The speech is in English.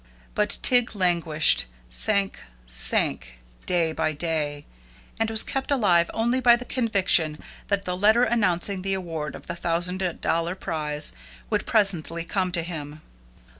But Tig languished; sank, sank, day by day, and was kept alive only by the conviction that the letter announcing the award of the thousand dollar prize would presently come to him.